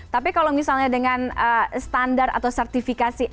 tapi kalau misalnya dengan standar atau sertifikasi